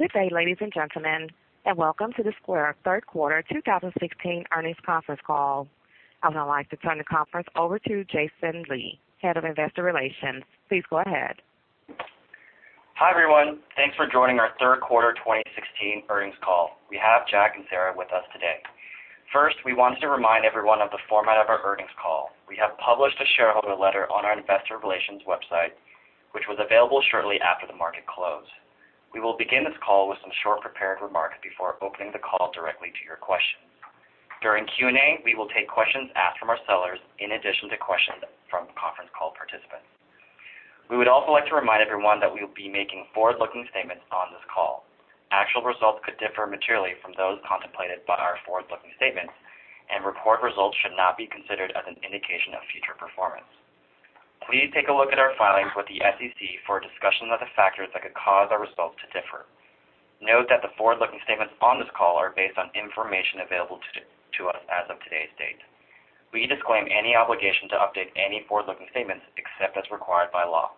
Good day, ladies and gentlemen, and welcome to the Square third quarter 2016 earnings conference call. I would now like to turn the conference over to Jason Lee, Head of Investor Relations. Please go ahead. Hi, everyone. Thanks for joining our third quarter 2016 earnings call. We have Jack and Sarah with us today. First, we wanted to remind everyone of the format of our earnings call. We have published a shareholder letter on our investor relations website, which was available shortly after the market close. We will begin this call with some short prepared remarks before opening the call directly to your questions. During Q&A, we will take questions asked from our sellers in addition to questions from conference call participants. We would also like to remind everyone that we will be making forward-looking statements on this call. Actual results could differ materially from those contemplated by our forward-looking statements, and reported results should not be considered as an indication of future performance. Please take a look at our filings with the SEC for a discussion of the factors that could cause our results to differ. Note that the forward-looking statements on this call are based on information available to us as of today's date. We disclaim any obligation to update any forward-looking statements except as required by law.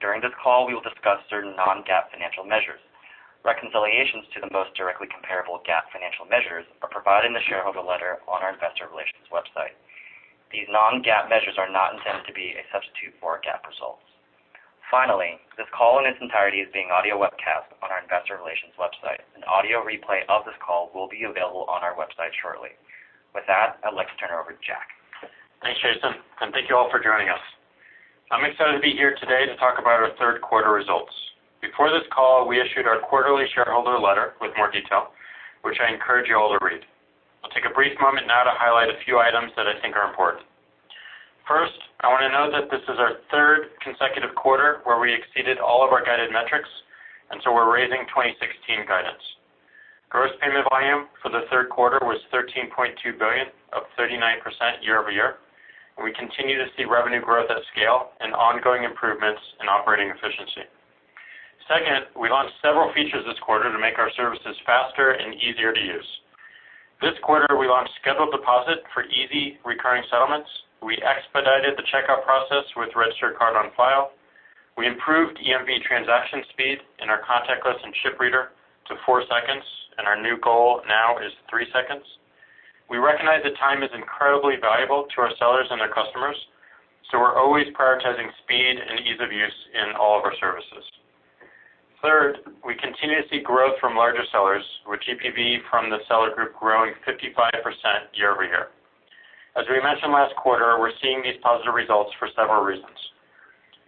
During this call, we will discuss certain non-GAAP financial measures. Reconciliations to the most directly comparable GAAP financial measures are provided in the shareholder letter on our investor relations website. These non-GAAP measures are not intended to be a substitute for GAAP results. Finally, this call in its entirety is being audio webcast on our investor relations website. An audio replay of this call will be available on our website shortly. With that, I'd like to turn it over to Jack. Thanks, Jason, and thank you all for joining us. I'm excited to be here today to talk about our third quarter results. Before this call, we issued our quarterly shareholder letter with more detail, which I encourage you all to read. I'll take a brief moment now to highlight a few items that I think are important. First, I want to note that this is our third consecutive quarter where we exceeded all of our guided metrics, and so we're raising 2016 guidance. Gross Payment Volume for the third quarter was $13.2 billion, up 39% year-over-year. We continue to see revenue growth at scale and ongoing improvements in operating efficiency. Second, we launched several features this quarter to make our services faster and easier to use. This quarter, we launched Scheduled Deposit for easy recurring settlements. We expedited the checkout process with registered card on file. We improved EMV transaction speed in our contactless and chip reader to four seconds, and our new goal now is three seconds. We recognize that time is incredibly valuable to our sellers and their customers, so we're always prioritizing speed and ease of use in all of our services. Third, we continue to see growth from larger sellers, with GPV from the seller group growing 55% year-over-year. As we mentioned last quarter, we're seeing these positive results for several reasons.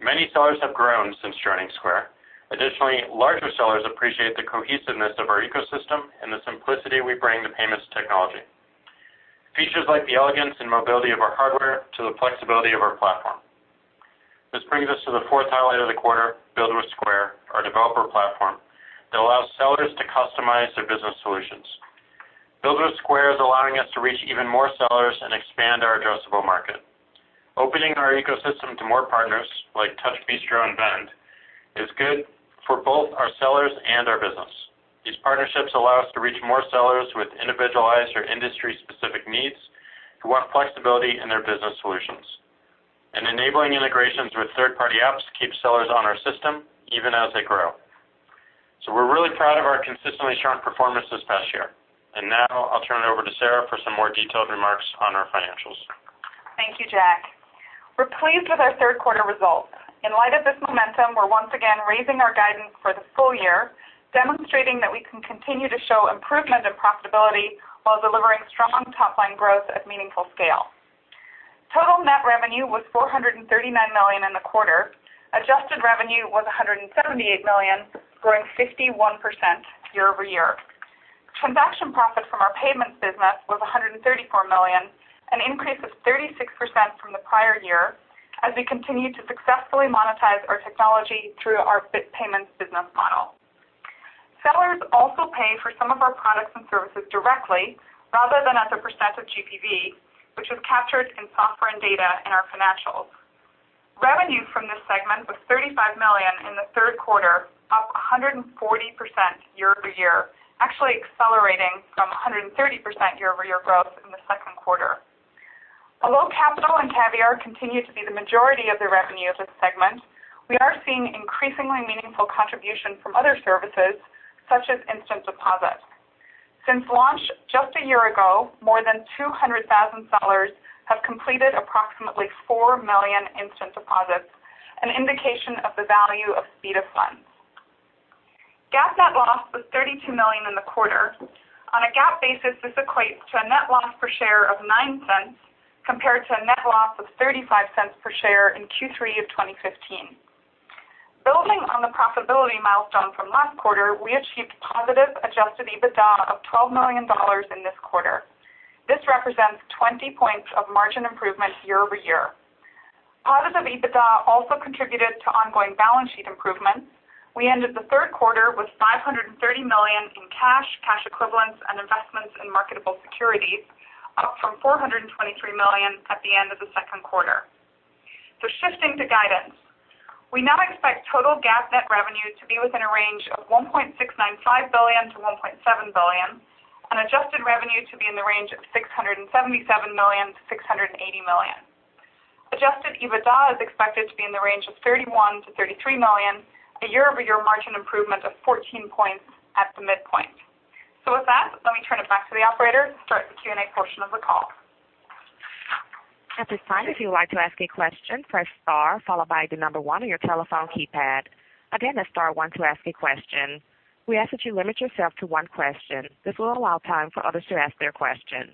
Many sellers have grown since joining Square. Additionally, larger sellers appreciate the cohesiveness of our ecosystem and the simplicity we bring to payments technology. Features like the elegance and mobility of our hardware to the flexibility of our platform. This brings us to the fourth highlight of the quarter, Build with Square, our developer platform that allows sellers to customize their business solutions. Build with Square is allowing us to reach even more sellers and expand our addressable market. Opening our ecosystem to more partners, like TouchBistro and Vend, is good for both our sellers and our business. These partnerships allow us to reach more sellers with individualized or industry-specific needs who want flexibility in their business solutions. And enabling integrations with third-party apps keeps sellers on our system even as they grow. We're really proud of our consistently strong performance this past year. And now I'll turn it over to Sarah for some more detailed remarks on our financials. Thank you, Jack. We're pleased with our third quarter results. In light of this momentum, we're once again raising our guidance for the full year, demonstrating that we can continue to show improvement in profitability while delivering strong top-line growth at meaningful scale. Total net revenue was $439 million in the quarter. Adjusted revenue was $178 million, growing 51% year-over-year. Transaction profit from our payments business was $134 million, an increase of 36% from the prior year, as we continue to successfully monetize our technology through our payments business model. Sellers also pay for some of our products and services directly rather than as a percent of GPV, which is captured in Software and Data in our financials. Revenue from this segment was $35 million in the third quarter, up 140% year-over-year, actually accelerating from 130% year-over-year growth in the second quarter. Although Capital and Caviar continue to be the majority of the revenue of this segment, we are seeing increasingly meaningful contribution from other services, such as Instant Deposit. Since launch just a year ago, more than 200,000 sellers have completed approximately four million Instant Deposits, an indication of the value of speed of funds. GAAP net loss was $32 million in the quarter. On a GAAP basis, this equates to a net loss per share of $0.09 compared to a net loss of $0.35 per share in Q3 of 2015. Building on the profitability milestone from last quarter, we achieved positive adjusted EBITDA of $12 million in this quarter. This represents 20 points of margin improvement year-over-year. Positive EBITDA also contributed to ongoing balance sheet improvements. We ended the third quarter with $530 million in cash equivalents, and investments in marketable securities, up from $423 million at the end of the second quarter. Shifting to guidance. We now expect total GAAP net revenue to be within a range of $1.695 billion-$1.7 billion. Adjusted revenue to be in the range of $677 million-$680 million. Adjusted EBITDA is expected to be in the range of $31 million-$33 million, a year-over-year margin improvement of 14 points at the midpoint. With that, let me turn it back to the operator to start the Q&A portion of the call. At this time, if you would like to ask a question, press star followed by the number 1 on your telephone keypad. Again, that's star 1 to ask a question. We ask that you limit yourself to one question. This will allow time for others to ask their question.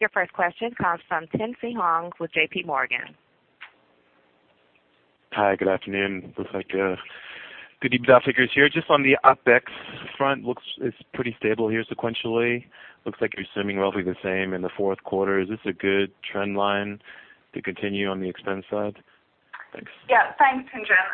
Your first question comes from Tien-Tsin Huang with JP Morgan. Hi, good afternoon. Looks like good EBITDA figures here. On the OpEx front, it looks pretty stable here sequentially. Looks like you're assuming roughly the same in the fourth quarter. Is this a good trend line to continue on the expense side? Thanks. Yeah. Thanks, Tien-Tsin.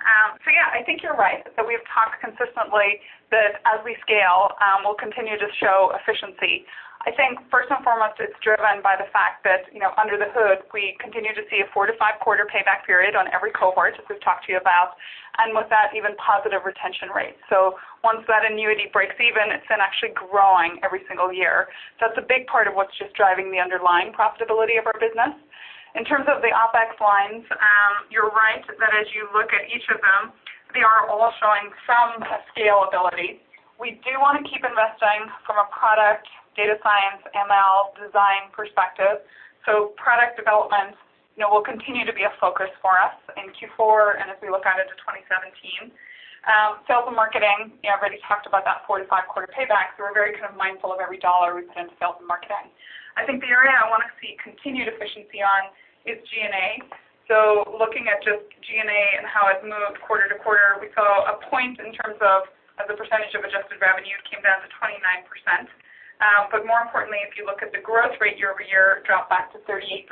Yeah, I think you're right that we've talked consistently that as we scale, we'll continue to show efficiency. I think first and foremost, it's driven by the fact that under the hood, we continue to see a four to five-quarter payback period on every cohort, as we've talked to you about, and with that, even positive retention rates. Once that annuity breaks even, it's then actually growing every single year. That's a big part of what's just driving the underlying profitability of our business. In terms of the OpEx lines, you're right that as you look at each of them, they are all showing some scalability. We do want to keep investing from a product, data science, ML design perspective. Product development will continue to be a focus for us in Q4 and as we look out into 2017. Sales and marketing, I've already talked about that 4 to 5-quarter payback. We're very kind of mindful of every dollar we put into sales and marketing. I think the area I want to see continued efficiency on is G&A. Looking at just G&A and how it moved quarter-to-quarter, we saw a point in terms of the percentage of adjusted revenue. It came down to 29%. More importantly, if you look at the growth rate year-over-year, it dropped back to 38%,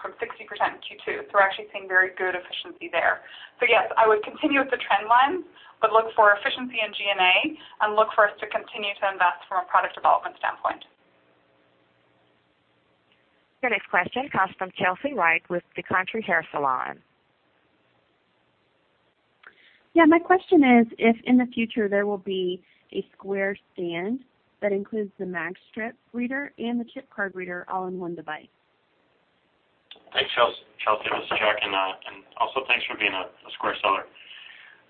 from 60% in Q2. We're actually seeing very good efficiency there. Yes, I would continue with the trend line, but look for efficiency in G&A and look for us to continue to invest from a product development standpoint. Your next question comes from Chelsea Wright with The Country Hair Salon. Yeah, my question is if in the future there will be a Square Stand that includes the magstripe reader and the chip card reader all in one device. Thanks, Chelsea. This is Jack, also thanks for being a Square seller.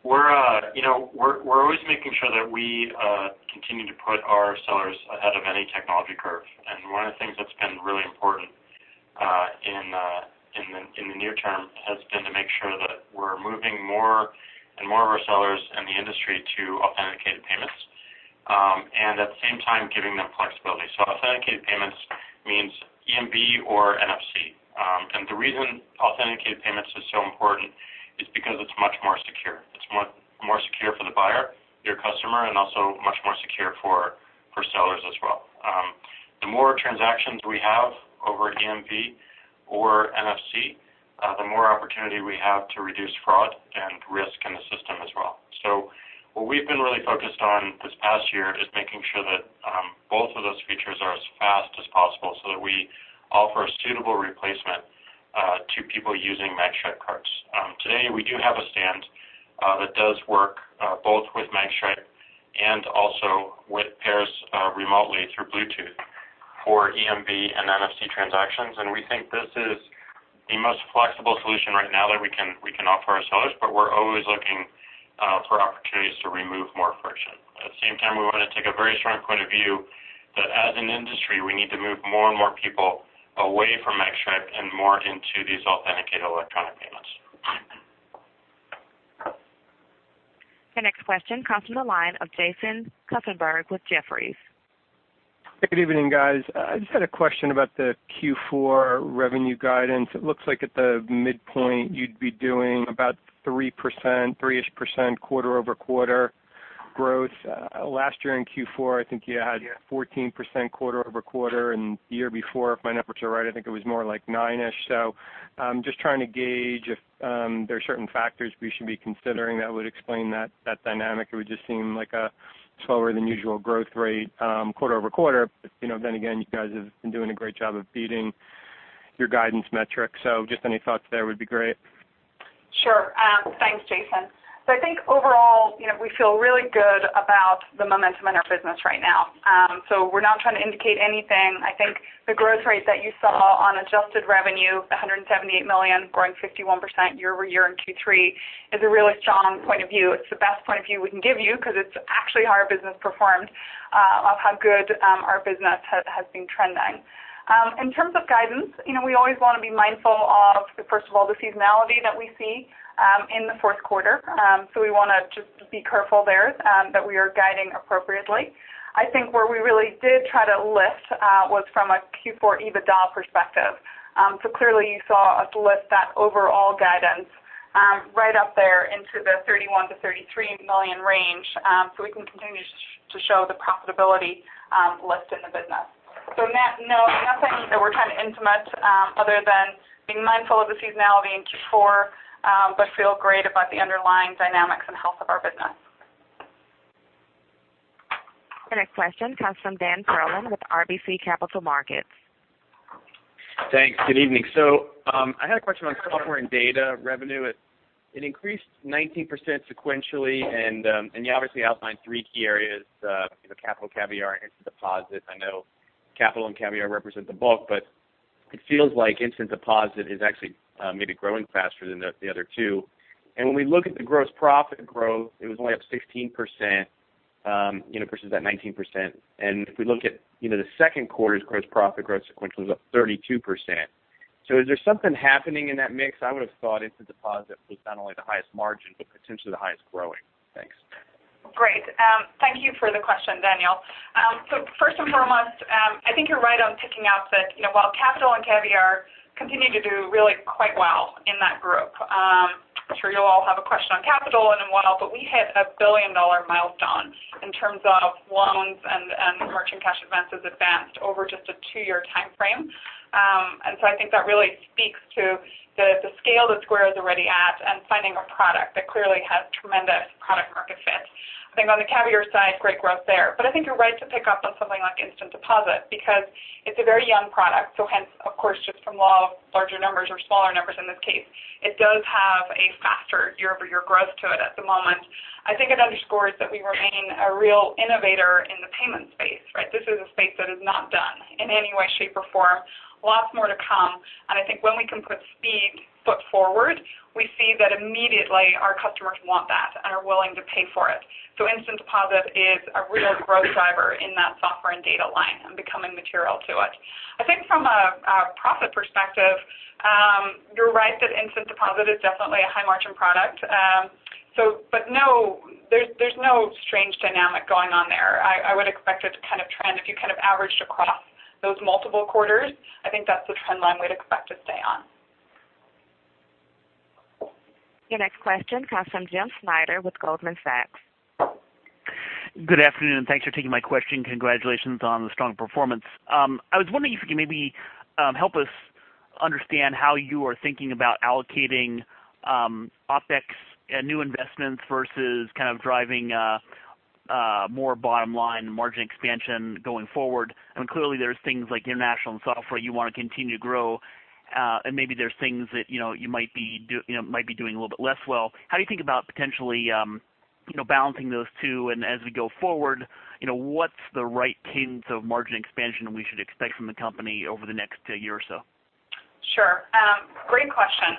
One of the things that's been really important in the near term has been to make sure that we're moving more and more of our sellers and the industry to authenticated payments, and at the same time giving them flexibility. Authenticated payments means EMV or NFC. The reason authenticated payments is so important is because it's much more secure. It's more secure for the buyer, your customer, and also much more secure for sellers as well. The more transactions we have over EMV or NFC, the more opportunity we have to reduce fraud and risk in the system as well. What we've been really focused on this past year is making sure that both of those features are as fast as possible, so that we offer a suitable replacement to people using magstripe cards. Today, we do have a Square Stand that does work both with magstripe and also it pairs remotely through Bluetooth for EMV and NFC transactions, and we think this is the most flexible solution right now that we can offer our sellers, but we're always looking for opportunities to remove more friction. At the same time, we want to take a very strong point of view that as an industry, we need to move more and more people away from magstripe and more into these authenticated electronic payments. Your next question comes from the line of Jason Kupferberg with Jefferies. Good evening, guys. I just had a question about the Q4 revenue guidance. It looks like at the midpoint, you'd be doing about 3-ish% quarter-over-quarter growth. Last year in Q4, I think you had 14% quarter-over-quarter, and the year before, if my numbers are right, I think it was more like 9-ish. I'm just trying to gauge if there are certain factors we should be considering that would explain that dynamic. It would just seem like a slower than usual growth rate, quarter-over-quarter. But then again, you guys have been doing a great job of beating your guidance metrics. Just any thoughts there would be great. Sure. Thanks, Jason. Overall, we feel really good about the momentum in our business right now. We're not trying to indicate anything. I think the growth rate that you saw on adjusted revenue, $178 million growing 51% year-over-year in Q3, is a really strong point of view. It's the best point of view we can give you because it's actually how our business performed, of how good our business has been trending. In terms of guidance, we always want to be mindful of, first of all, the seasonality that we see in the fourth quarter. We want to just be careful there that we are guiding appropriately. I think where we really did try to lift was from a Q4 EBITDA perspective. Clearly you saw us lift that overall guidance right up there into the $31 million-$33 million range, we can continue to show the profitability lift in the business. Net, no, nothing that we're trying to intimate other than being mindful of the seasonality in Q4, but feel great about the underlying dynamics and health of our business. Your next question comes from Dan Perlin with RBC Capital Markets. Thanks. Good evening. I had a question on software and data revenue. It increased 19% sequentially, you obviously outlined three key areas, Capital, Caviar, Instant Deposit. I know Capital and Caviar represent the bulk, but it feels like Instant Deposit is actually maybe growing faster than the other two. When we look at the gross profit growth, it was only up 16%, versus that 19%. If we look at the second quarter's gross profit growth sequential, it was up 32%. Is there something happening in that mix? I would've thought Instant Deposit was not only the highest margin, but potentially the highest growing. Thanks. Great. Thank you for the question, Daniel. First and foremost, I think you're right on picking out that while Capital and Caviar continue to do really quite well in that group. I'm sure you'll all have a question on Capital and then what all, but we hit a billion-dollar milestone in terms of loans and merchant cash advances advanced over just a two-year timeframe. I think that really speaks to the scale that Square is already at and finding a product that clearly has tremendous product-market fit. I think on the Caviar side, great growth there. I think you're right to pick up on something like Instant Deposit because it's a very young product, so hence, of course, just from law of larger numbers or smaller numbers in this case, it does have a faster year-over-year growth to it at the moment. I think it underscores that we remain a real innovator in the payment space, right? This is a space that is not done in any way, shape, or form. Lots more to come. I think when we can put speed foot forward, we see that immediately our customers want that and are willing to pay for it. Instant Deposit is a real growth driver in that software and data line and becoming material to it. I think from a profit perspective, you're right that Instant Deposit is definitely a high-margin product. No, there's no strange dynamic going on there. I would expect it to kind of trend if you kind of averaged across those multiple quarters. I think that's the trend line we'd expect to stay on. Your next question comes from James Schneider with Goldman Sachs. Good afternoon, thanks for taking my question. Congratulations on the strong performance. I was wondering if you could maybe help us understand how you are thinking about allocating OpEx and new investments versus kind of driving more bottom-line margin expansion going forward. Clearly there's things like international and software you want to continue to grow, and maybe there's things that you might be doing a little bit less well. How do you think about potentially balancing those two? As we go forward, what's the right cadence of margin expansion we should expect from the company over the next year or so? Sure. Great question.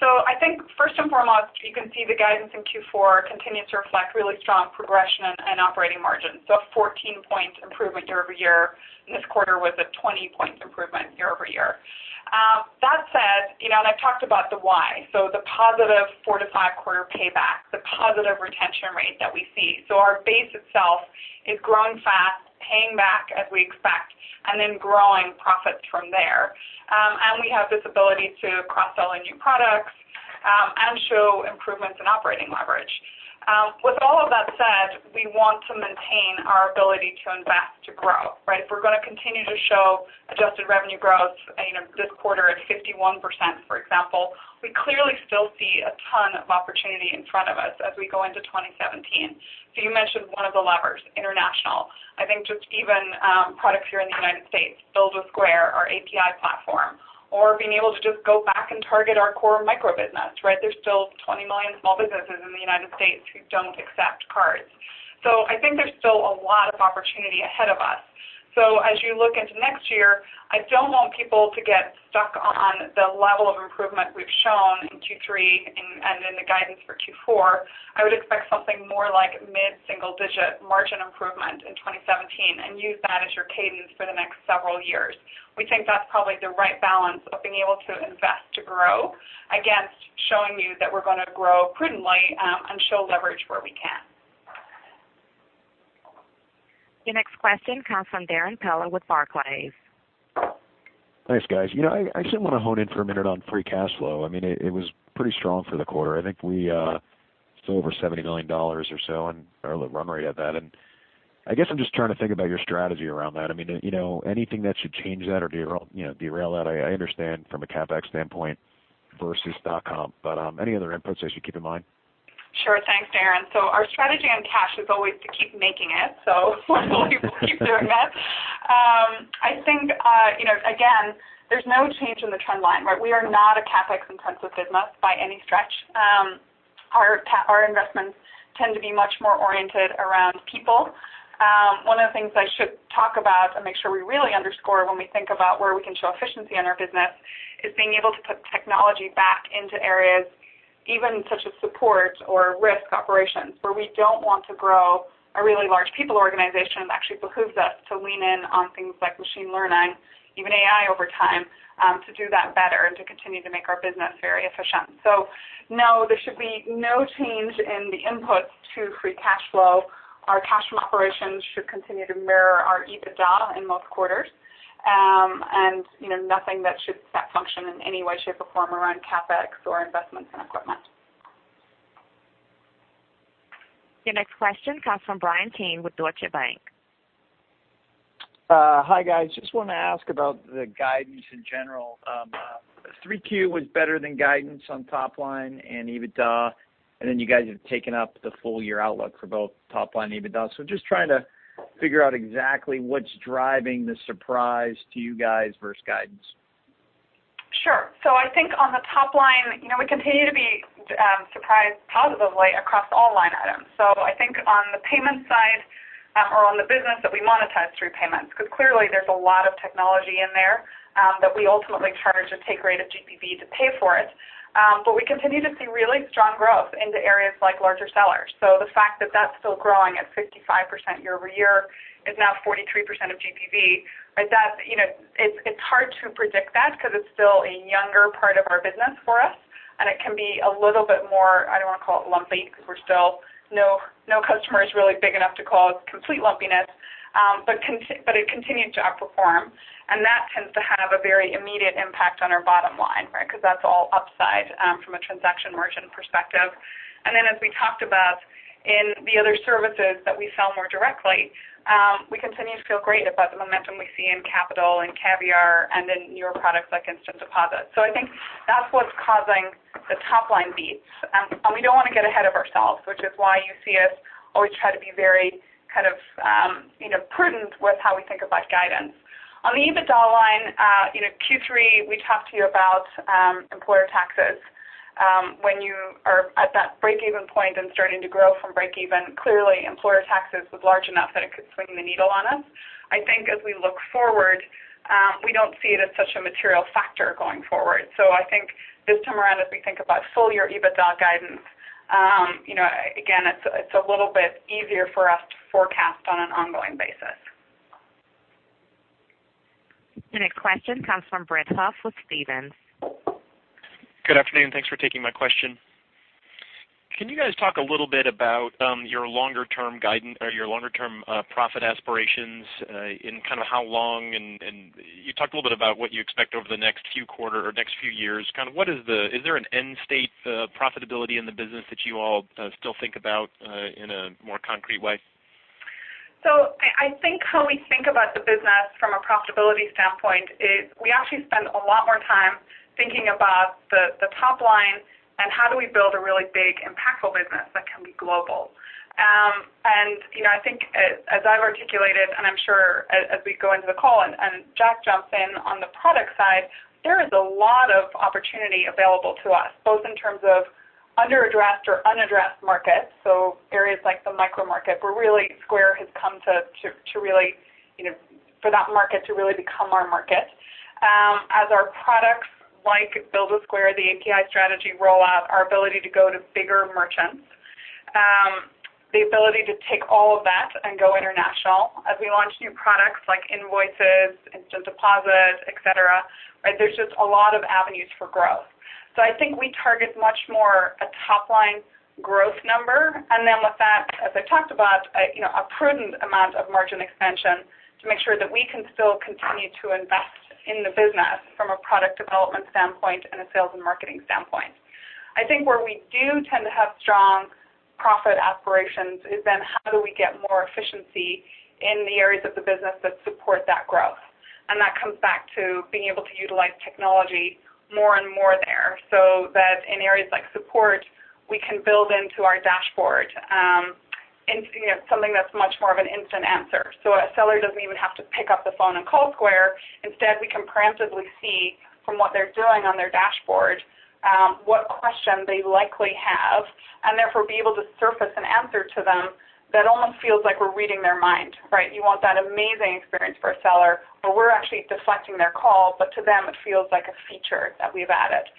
I think first and foremost, you can see the guidance in Q4 continues to reflect really strong progression and operating margin. A 14-point improvement year-over-year. This quarter was a 20-point improvement year-over-year. That said, I've talked about the why, the positive four to five-quarter payback, the positive retention rate that we see. Our base itself is growing fast, paying back as we expect, and then growing profits from there. We have this ability to cross-sell into products, and show improvements in operating leverage. With all of that said, we want to maintain our ability to invest to grow, right? If we're gonna continue to show adjusted revenue growth, this quarter at 51%, for example, we clearly still see a ton of opportunity in front of us as we go into 2017. You mentioned one of the levers, international. I think just even products here in the U.S., Build with Square, our API platform, or being able to just go back and target our core micro business, right? There's still 20 million small businesses in the U.S. who don't accept cards. I think there's still a lot of opportunity ahead of us. As you look into next year, I don't want people to get stuck on the level of improvement we've shown in Q3 and in the guidance for Q4. I would expect something more like mid-single digit margin improvement in 2017 and use that as your cadence for the next several years. We think that's probably the right balance of being able to invest to grow against showing you that we're gonna grow prudently and show leverage where we can. Your next question comes from Darrin Peller with Barclays. Thanks, guys. I actually want to hone in for a minute on free cash flow. I mean, it was pretty strong for the quarter. I think we still over $70 million or so on early run rate at that. I guess I'm just trying to think about your strategy around that. I mean, anything that should change that or derail that? I understand from a CapEx standpoint versus dot-com, any other inputs I should keep in mind? Sure. Thanks, Darrin. Our strategy on cash is always to keep making it. We'll keep doing that. I think, again, there's no change in the trend line, right? We are not a CapEx-intensive business by any stretch. Our investments tend to be much more oriented around people. One of the things I should talk about and make sure we really underscore when we think about where we can show efficiency in our business is being able to put technology back into areas even such as support or risk operations, where we don't want to grow a really large people organization. It actually behooves us to lean in on things like machine learning, even AI over time, to do that better and to continue to make our business very efficient. No, there should be no change in the inputs to free cash flow. Our cash from operations should continue to mirror our EBITDA in most quarters. Nothing that should set forth in any way, shape, or form around CapEx or investments in equipment. Your next question comes from Bryan Keane with Deutsche Bank. Hi, guys. I just want to ask about the guidance in general. 3Q was better than guidance on top line and EBITDA. Then you guys have taken up the full-year outlook for both top line and EBITDA. I'm just trying to figure out exactly what's driving the surprise to you guys versus guidance. Sure. I think on the top line, we continue to be surprised positively across all line items. I think on the payment side or on the business that we monetize through payments, because clearly there's a lot of technology in there that we ultimately charge a take rate of GPV to pay for it. We continue to see really strong growth into areas like larger sellers. The fact that's still growing at 55% year-over-year is now 43% of GPV. It's hard to predict that because it's still a younger part of our business for us, and it can be a little bit more, I don't want to call it lumpy, because no customer is really big enough to call it complete lumpiness. It continued to outperform, That tends to have a very immediate impact on our bottom line because that's all upside from a transaction margin perspective. As we talked about in the other services that we sell more directly, we continue to feel great about the momentum we see in Capital and Caviar and in newer products like Instant Deposit. I think that's what's causing the top-line beats. We don't want to get ahead of ourselves, which is why you see us always try to be very prudent with how we think about guidance. On the EBITDA line, Q3, we talked to you about employer taxes. When you are at that breakeven point and starting to grow from breakeven, clearly employer taxes was large enough that it could swing the needle on us. I think as we look forward, we don't see it as such a material factor going forward. I think this time around, as we think about full-year EBITDA guidance, again, it's a little bit easier for us to forecast on an ongoing basis. The next question comes from Brett Huff with Stephens. Good afternoon. Thanks for taking my question. Can you guys talk a little bit about your longer-term profit aspirations in how long, you talked a little bit about what you expect over the next few years. Is there an end-state profitability in the business that you all still think about in a more concrete way? I think how we think about the business from a profitability standpoint is we actually spend a lot more time thinking about the top line and how do we build a really big, impactful business that can be global. I think as I've articulated, and I am sure as we go into the call, and Jack jumps in on the product side, there is a lot of opportunity available to us, both in terms of under-addressed or unaddressed markets. Areas like the micro market, where really Square has come for that market to really become our market. As our products like Build with Square, the API strategy rollout, our ability to go to bigger merchants. The ability to take all of that and go international as we launch new products like Invoices, Instant Deposit, et cetera. There's just a lot of avenues for growth. I think we target much more a top-line growth number, and then with that, as I talked about, a prudent amount of margin expansion to make sure that we can still continue to invest in the business from a product development standpoint and a sales and marketing standpoint. I think where we do tend to have strong profit aspirations is then how do we get more efficiency in the areas of the business that support that growth. That comes back to being able to utilize technology more and more there, so that in areas like support, we can build into our Square Dashboard something that's much more of an instant answer. A seller doesn't even have to pick up the phone and call Square. Instead, we can preemptively see from what they're doing on their Square Dashboard what question they likely have, and therefore be able to surface an answer to them that almost feels like we're reading their mind, right? You want that amazing experience for a seller where we're actually deflecting their call, but to them it feels like a feature that we've added.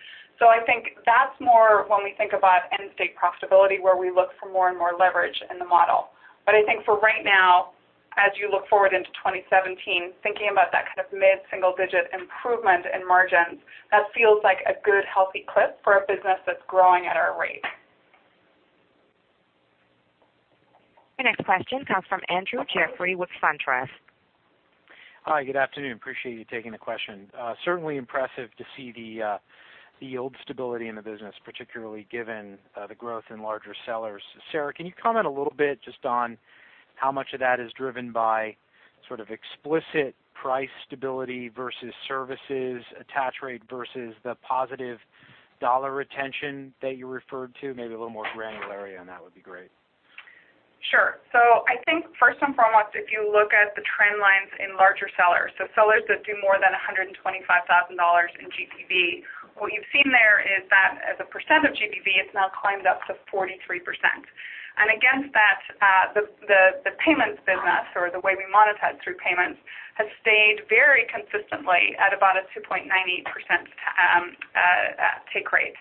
I think that's more when we think about end-state profitability, where we look for more and more leverage in the model. I think for right now, as you look forward into 2017, thinking about that kind of mid-single digit improvement in margins, that feels like a good, healthy clip for a business that's growing at our rate. Your next question comes from Andrew Jeffrey with SunTrust. Hi, good afternoon. Appreciate you taking the question. Certainly impressive to see the yield stability in the business, particularly given the growth in larger sellers. Sarah, can you comment a little bit just on how much of that is driven by sort of explicit price stability versus services attach rate versus the positive dollar retention that you referred to? Maybe a little more granularity on that would be great. I think first and foremost, if you look at the trend lines in larger sellers that do more than $125,000 in GPV, what you've seen there is that as a percent of GPV, it's now climbed up to 43%. Against that, the payments business or the way we monetize through payments, has stayed very consistently at about a 2.98% take rate.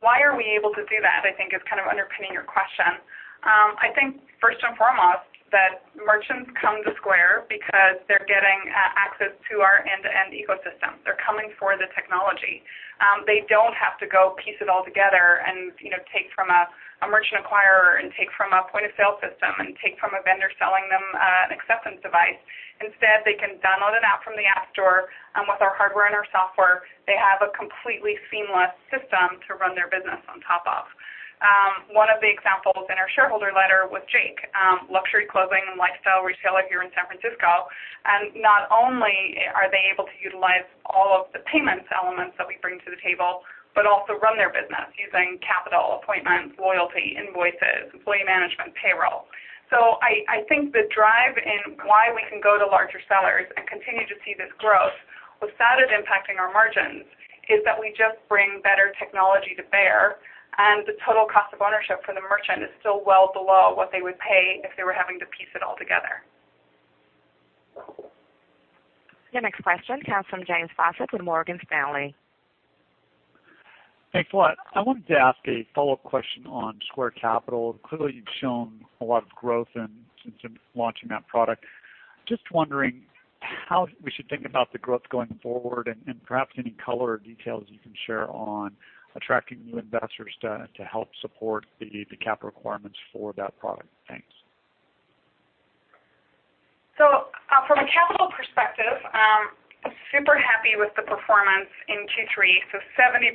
Why are we able to do that, I think, is kind of underpinning your question. I think first and foremost, that merchants come to Square because they're getting access to our end-to-end ecosystem. They're coming for the technology. They don't have to go piece it all together and take from a merchant acquirer and take from a point-of-sale system and take from a vendor selling them an acceptance device. Instead, they can download an app from the App Store, and with our hardware and our software, they have a completely seamless system to run their business on top of. One of the examples in our shareholder letter was JAKE, luxury clothing and lifestyle retailer here in San Francisco. Not only are they able to utilize all of the payments elements that we bring to the table, but also run their business using Capital, Appointments, Loyalty, Invoices, Employee Management, Payroll. I think the drive in why we can go to larger sellers and continue to see this growth without it impacting our margins is that we just bring better technology to bear, and the total cost of ownership for the merchant is still well below what they would pay if they were having to piece it all together. Your next question comes from James Faucette with Morgan Stanley. Thanks a lot. I wanted to ask a follow-up question on Square Capital. Clearly, you've shown a lot of growth since launching that product. Just wondering how we should think about the growth going forward and perhaps any color or details you can share on attracting new investors to help support the capital requirements for that product. Thanks. From a capital perspective, I'm super happy with the performance in Q3. 70%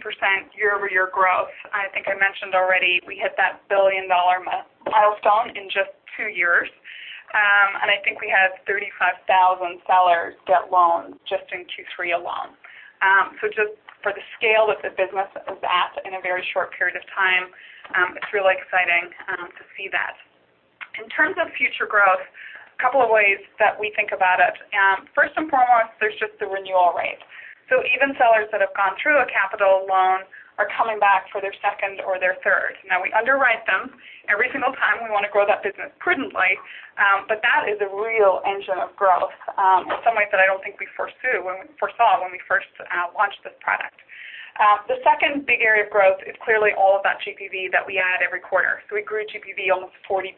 year-over-year growth. I think I mentioned already we hit that billion-dollar milestone in just two years. I think we had 35,000 sellers get loans just in Q3 alone. Just for the scale that the business is at in a very short period of time, it's really exciting to see that. In terms of future growth, a couple of ways that we think about it. First and foremost, there's just the renewal rate. Even sellers that have gone through a Capital loan are coming back for their second or their third. Now we underwrite them every single time we want to grow that business prudently, but that is a real engine of growth in some ways that I don't think we foresaw when we first launched this product. The second big area of growth is clearly all of that GPV that we add every quarter. We grew GPV almost 40%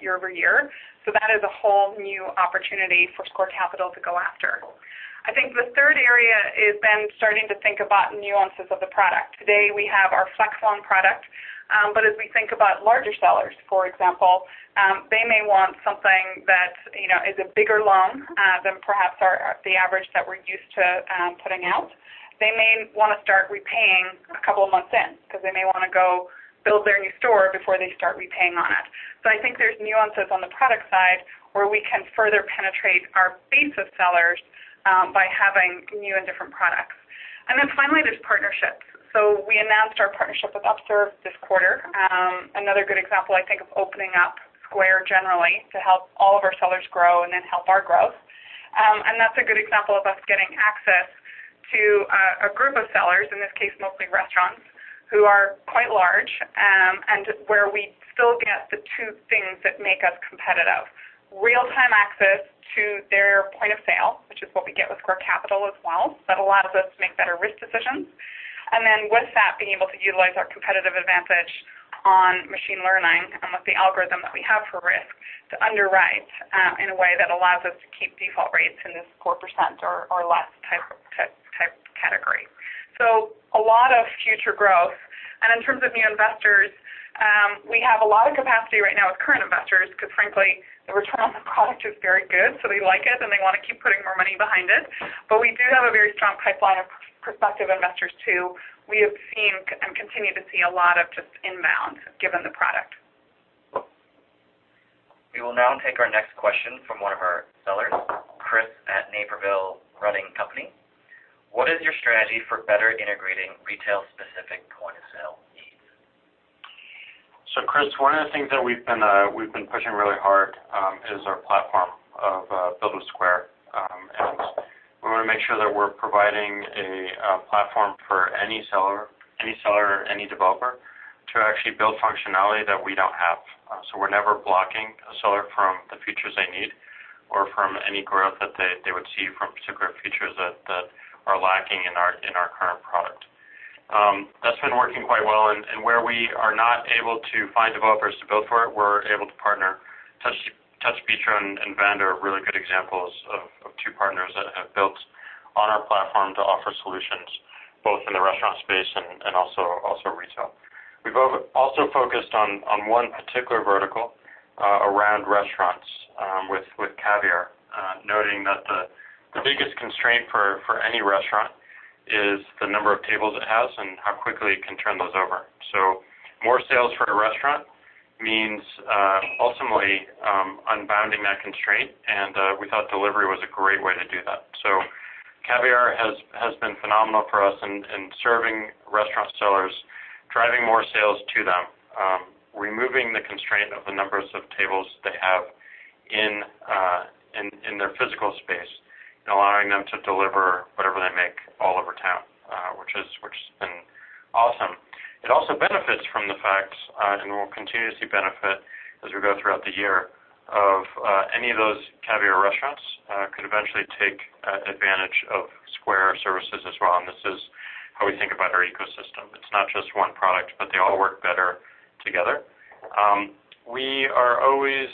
year-over-year. That is a whole new opportunity for Square Capital to go after. I think the third area is then starting to think about nuances of the product. Today, we have our Flex Loan product. As we think about larger sellers, for example, they may want something that is a bigger loan than perhaps the average that we're used to putting out. They may want to start repaying a couple of months in because they may want to go build their new store before they start repaying on it. I think there's nuances on the product side where we can further penetrate our base of sellers by having new and different products. Finally, there's partnerships. We announced our partnership with Upserve this quarter. Another good example, I think, of opening up Square generally to help all of our sellers grow and then help our growth. That's a good example of us getting access to a group of sellers, in this case, mostly restaurants, who are quite large, and where we still get the two things that make us competitive, real-time access to their point of sale, which is what we get with Square Capital as well. That allows us to make better risk decisions. With that, being able to utilize our competitive advantage on machine learning and with the algorithm that we have for risk to underwrite in a way that allows us to keep default rates in this 4% or less type category. A lot of future growth. In terms of new investors, we have a lot of capacity right now with current investors because frankly, the return on the product is very good, so they like it and they want to keep putting more money behind it. We do have a very strong pipeline of prospective investors too. We have seen and continue to see a lot of just inbound given the product. We will now take our next question from one of our sellers, Chris at Naperville Running Company. What is your strategy for better integrating retail-specific point-of-sale needs? Chris, one of the things that we've been pushing really hard is our platform of Build with Square. We want to make sure that we're providing a platform for any seller, any developer to actually build functionality that we don't have. We're never blocking a seller from the features they need or from any growth that they would see from particular features that are lacking in our current product. That's been working quite well. Where we are not able to find developers to build for it, we're able to partner. TouchBistro and Vend are really good examples of two partners that have built on our platform to offer solutions both in the restaurant space and also retail. We've also focused on one particular vertical around restaurants, with Caviar, noting that the biggest constraint for any restaurant is the number of tables it has and how quickly it can turn those over. More sales for a restaurant means ultimately unbounding that constraint, and we thought delivery was a great way to do that. Caviar has been phenomenal for us in serving restaurant sellers, driving more sales to them, removing the constraint of the numbers of tables they have in their physical space, and allowing them to deliver whatever they make all over town, which has been awesome. It also benefits from the fact, and will continuously benefit as we go throughout the year, of any of those Caviar restaurants could eventually take advantage of Square services as well, and this is how we think about our ecosystem. It's not just one product, but they all work better together. We are always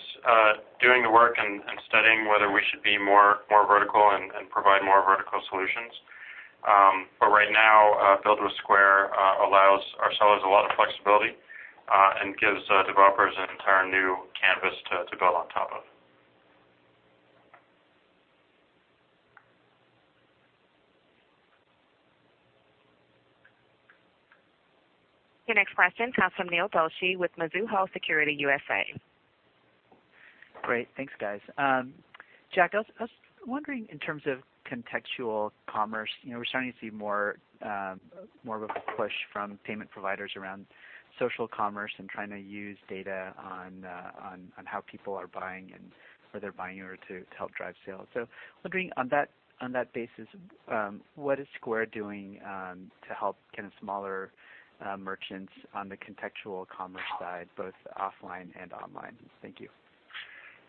doing the work and studying whether we should be more vertical and provide more vertical solutions. Right now, Build with Square allows our sellers a lot of flexibility and gives developers an entire new canvas to build on top of. Your next question comes from Neil Doshi with Mizuho Securities USA. Great. Thanks, guys. Jack, I was wondering in terms of contextual commerce, we're starting to see more of a push from payment providers around social commerce and trying to use data on how people are buying and where they're buying in order to help drive sales. I'm wondering on that basis, what is Square doing to help kind of smaller merchants on the contextual commerce side, both offline and online? Thank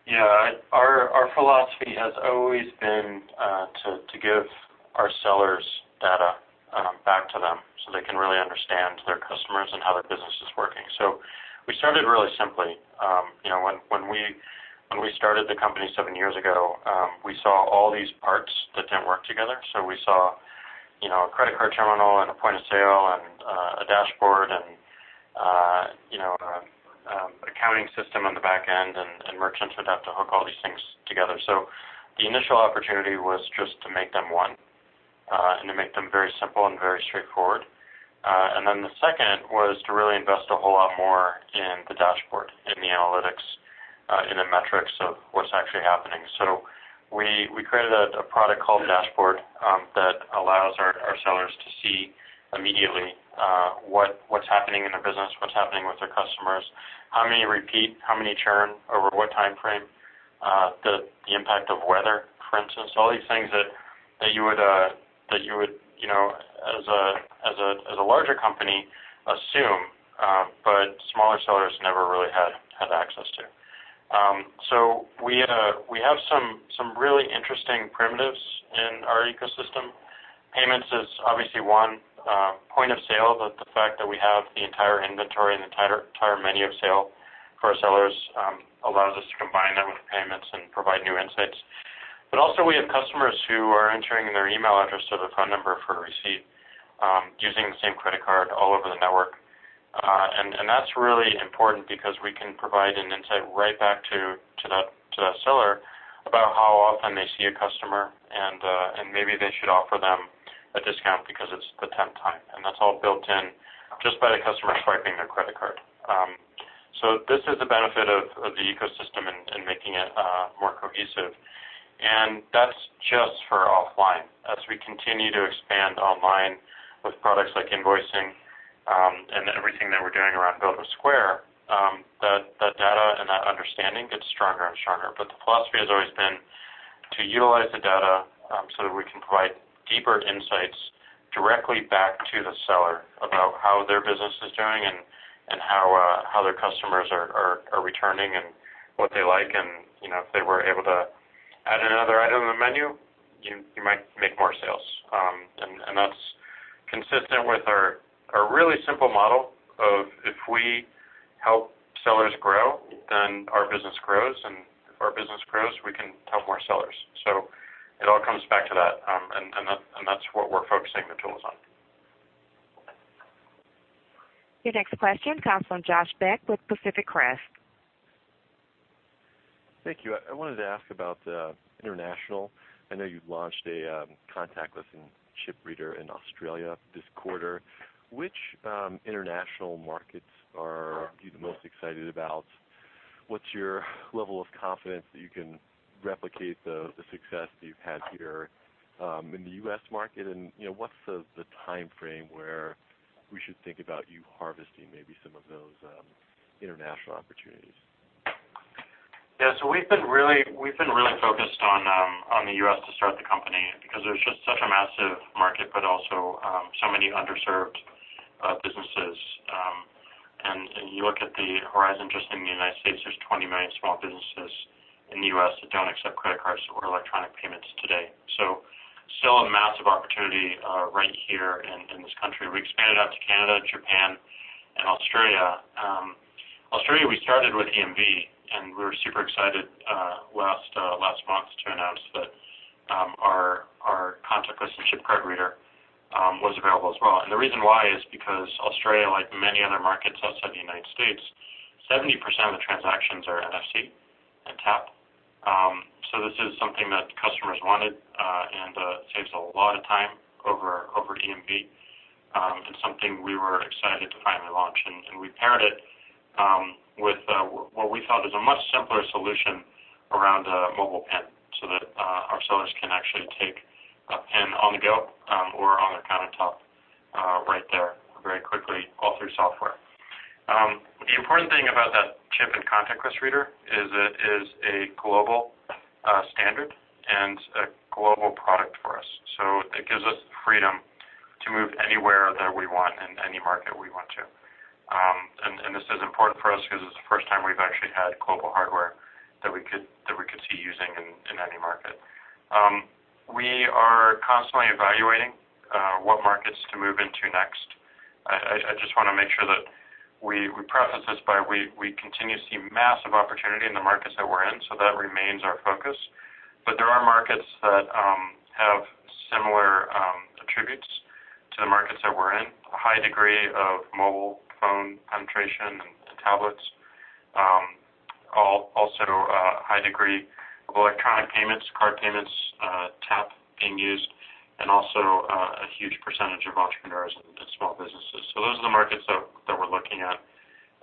you. Yeah. Our philosophy has always been to give our sellers data back to them so they can really understand their customers and how their business is working. We started really simply. When we started the company seven years ago, we saw all these parts that didn't work together. We saw a credit card terminal and a point-of-sale and a dashboard and an accounting system on the back end, and merchants would have to hook all these things together. The initial opportunity was just to make them one, and to make them very simple and very straightforward. The second was to really invest a whole lot more in the dashboard, in the analytics, in the metrics of what's actually happening. We created a product called Square Dashboard that allows our sellers to see immediately what's happening in their business, what's happening with their customers, how many repeat, how many churn over what timeframe, the impact of weather, for instance. All these things that you would as a larger company assume, but smaller sellers never really had access to. We have some really interesting primitives in our ecosystem. Payments is obviously one point of sale, but the fact that we have the entire inventory and the entire menu of sale for our sellers allows us to combine them with payments and provide new insights. Also we have customers who are entering their email address or their phone number for a receipt using the same credit card all over the network. That's really important because we can provide an insight right back to that seller about how often they see a customer and maybe they should offer them a discount because it's the tenth time. That's all built in just by the customer swiping their credit card. This is a benefit of the ecosystem and making it more cohesive. That's just for offline. As we continue to expand online with products like Invoices, and everything that we're doing around Build with Square, that data and that understanding gets stronger and stronger. The philosophy has always been to utilize the data so that we can provide deeper insights directly back to the seller about how their business is doing and how their customers are returning and what they like. If they were able to add another item on the menu, you might make more sales. That's consistent with our really simple model of if we help sellers grow, then our business grows, and if our business grows, we can help more sellers. It all comes back to that, and that's what we're focusing the tools on. Your next question comes from Josh Beck with Pacific Crest. Thank you. I wanted to ask about international. I know you've launched a contactless and chip reader in Australia this quarter. Which international markets are you the most excited about? What's your level of confidence that you can replicate the success that you've had here in the U.S. market? What's the timeframe where we should think about you harvesting maybe some of those international opportunities? Yeah. We've been really focused on the U.S. to start the company because there's just such a massive market, but also so many underserved businesses. You look at the horizon just in the United States, there's 20 million small businesses in the U.S. that don't accept credit cards or electronic payments today. Still a massive opportunity right here in this country. We expanded out to Canada, Japan, and Australia. Australia, we started with EMV, and we were super excited last month to announce that our contactless and chip card reader was available as well. The reason why is because Australia, like many other markets outside the United States, 70% of the transactions are NFC and tap. This is something that customers wanted, and it saves a lot of time over EMV, and something we were excited to finally launch. We paired it with what we felt is a much simpler solution around a mobile PIN so that our sellers can actually take a PIN on the go, or on their countertop right there very quickly all through software. The important thing about that chip and contactless reader is it is a global standard and a global product for us. It gives us the freedom to move anywhere that we want in any market we want to. This is important for us because it's the first time we've actually had global hardware that we could see using in any market. We are constantly evaluating what markets to move into next. I just want to make sure that we preface this by we continue to see massive opportunity in the markets that we're in, that remains our focus. There are markets that have similar attributes to the markets that we're in. A high degree of mobile phone penetration and tablets. A high degree of electronic payments, card payments, tap being used, and also a huge percentage of entrepreneurs and small businesses. Those are the markets that we're looking at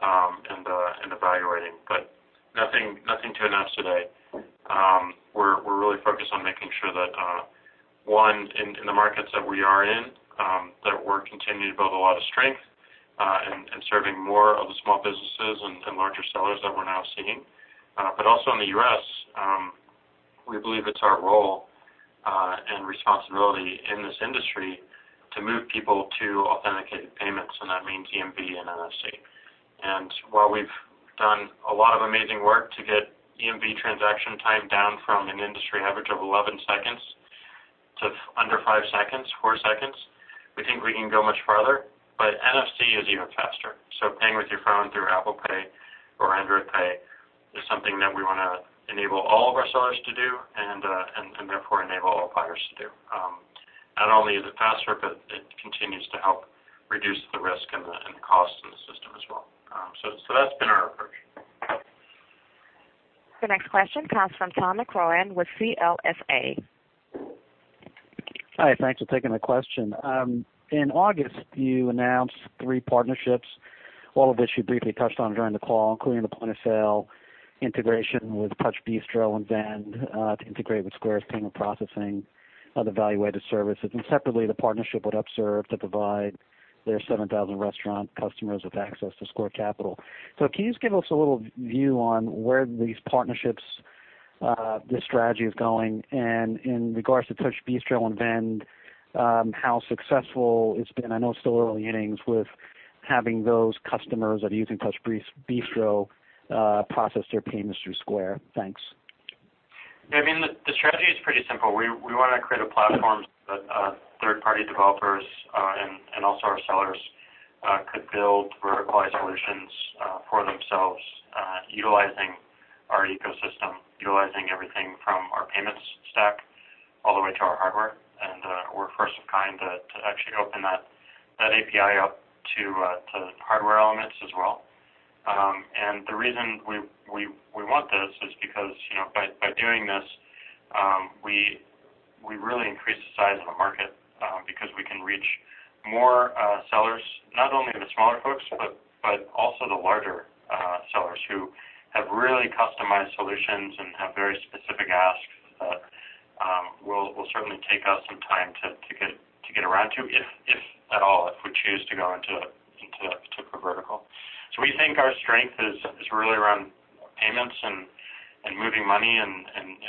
and evaluating, but nothing to announce today. We're really focused on making sure that, one, in the markets that we are in, that we're continuing to build a lot of strength and serving more of the small businesses and larger sellers that we're now seeing. Also in the U.S., we believe it's our role and responsibility in this industry to move people to authenticated payments, and that means EMV and NFC. While we've done a lot of amazing work to get EMV transaction time down from an industry average of 11 seconds to under five seconds, four seconds, we think we can go much farther. NFC is even faster. Paying with your phone through Apple Pay or Android Pay is something that we want to enable all of our sellers to do and therefore enable all buyers to do. Not only is it faster, but it continues to help reduce the risk and the cost in the system as well. That's been our approach. The next question comes from Tom McCrohan with CLSA. Hi, thanks for taking the question. In August, you announced three partnerships, all of which you briefly touched on during the call, including the point-of-sale integration with TouchBistro and Vend to integrate with Square's payment processing, other value-added services, and separately, the partnership with Upserve to provide their 7,000 restaurant customers with access to Square Capital. Can you just give us a little view on where these partnerships, this strategy is going? And in regards to TouchBistro and Vend, how successful it's been, I know it's still early innings, with having those customers that are using TouchBistro process their payments through Square. Thanks. The strategy is pretty simple. We want to create a platform that third-party developers and also our sellers could build verticalized solutions for themselves utilizing our ecosystem, utilizing everything from our payments stack all the way to our hardware. We're first of kind to actually open that API up to hardware elements as well. The reason we want this is because by doing this, we really increase the size of the market because we can reach more sellers, not only the smaller folks, but also the larger sellers who have really customized solutions and have very specific asks that will certainly take us some time to get around to, if at all, if we choose to go into a particular vertical. We think our strength is really around payments and moving money and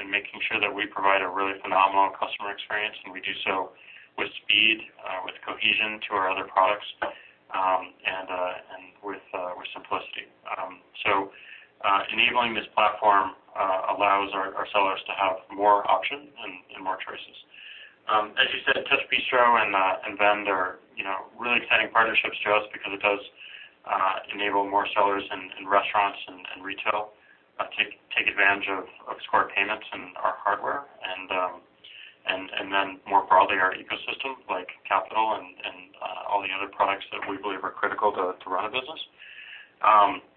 making sure that we provide a really phenomenal customer experience, and we do so with speed, with cohesion to our other products, and with simplicity. Enabling this platform allows our sellers to have more options and more choices. As you said, TouchBistro and Vend are really exciting partnerships to us because it does enable more sellers and restaurants and retail to take advantage of Square payments and our hardware and then more broadly, our ecosystem like Capital and all the other products that we believe are critical to run a business.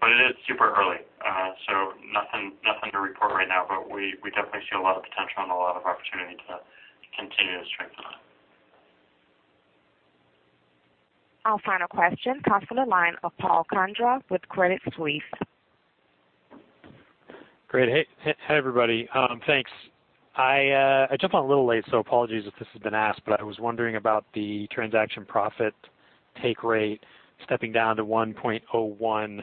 It is super early, so nothing to report right now, but we definitely see a lot of potential and a lot of opportunity to continue to strengthen that. Our final question comes from the line of Paul Condra with Credit Suisse. Great. Hey, everybody. Thanks. I jumped on a little late, apologies if this has been asked, but I was wondering about the transaction profit take rate stepping down to 1.01.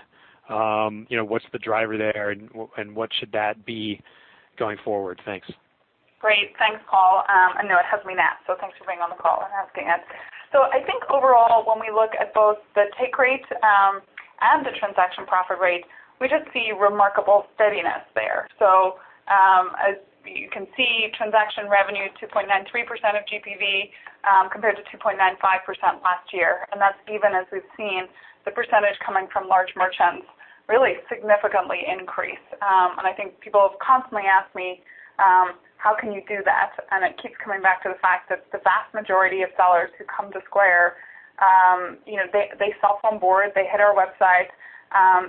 What's the driver there, and what should that be going forward? Thanks. Great. Thanks, Paul. I know it hasn't been asked, thanks for being on the call and asking it. I think overall, when we look at both the take rate and the transaction profit rate, we just see remarkable steadiness there. As you can see, transaction revenue 2.93% of GPV compared to 2.95% last year. That's even as we've seen the percentage coming from large merchants really significantly increase. I think people have constantly asked me, how can you do that? It keeps coming back to the fact that the vast majority of sellers who come to Square, they self-onboard, they hit our website,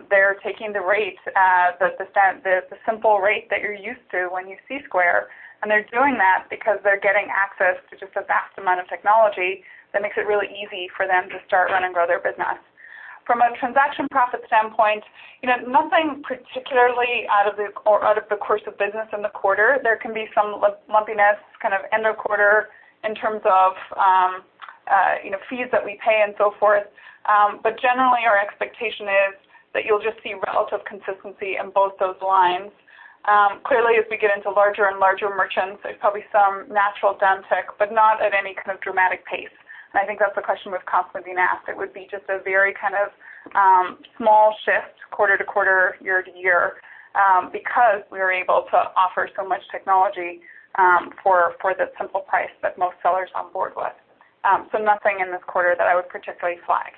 they're taking the rate, the simple rate that you're used to when you see Square, and they're doing that because they're getting access to just a vast amount of technology that makes it really easy for them to start, run, and grow their business. From a transaction profit standpoint, nothing particularly out of the course of business in the quarter. There can be some lumpiness kind of end of quarter in terms of fees that we pay and so forth. Generally, our expectation is that you'll just see relative consistency in both those lines. Clearly, as we get into larger and larger merchants, there's probably some natural denting, but not at any kind of dramatic pace. I think that's the question we've constantly been asked. It would be just a very kind of small shift quarter to quarter, year to year, because we were able to offer so much technology for the simple price that most sellers onboard with. Nothing in this quarter that I would particularly flag.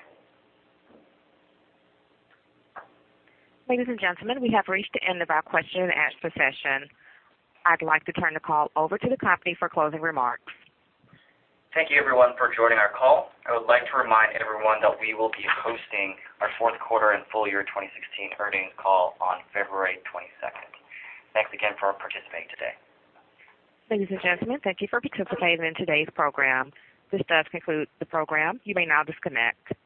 Ladies and gentlemen, we have reached the end of our question and answer session. I'd like to turn the call over to the company for closing remarks. Thank you, everyone, for joining our call. I would like to remind everyone that we will be hosting our fourth quarter and full year 2016 earnings call on February 22nd. Thanks again for participating today. Ladies and gentlemen, thank you for participating in today's program. This does conclude the program. You may now disconnect.